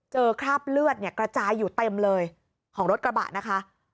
คราบเลือดเนี่ยกระจายอยู่เต็มเลยของรถกระบะนะคะ